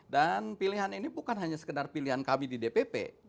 dan pilihan ini bukan hanya sekedar pilihan kami di dpp